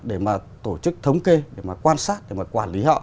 để mà tổ chức thống kê để mà quan sát để mà quản lý họ